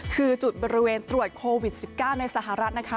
คือจุดบริเวณตรวจโควิด๑๙ในสหรัฐนะคะ